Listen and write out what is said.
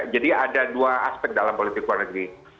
jadi ada dua aspek dalam politik luar negeri